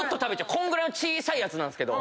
こんぐらいの小さいやつなんですけど。